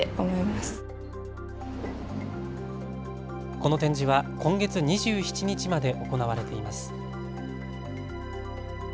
この展示は今月２７日まで行われています。